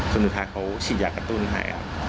สุดท้ายเขาฉีดยากระตุ้นให้ครับ